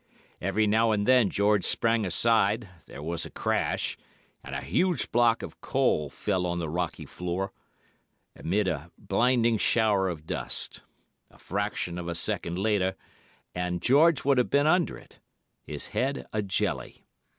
Every now and then George sprang aside, there was a crash, and a huge block of coal fell on the rocky floor, mid a blinding shower of dust. A fraction of a second later, and George would have been under it—his head a jelly.